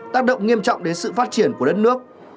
tác động nghiêm trọng đến sự phát triển của đất nước